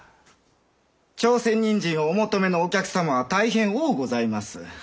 朝鮮人参をお求めのお客様は大変多ございます。